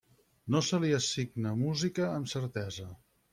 No se li assigna música amb certesa.